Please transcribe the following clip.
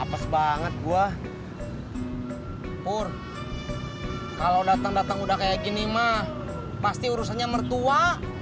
pas banget buah pur kalau datang datang udah kayak gini mah pasti urusannya mertua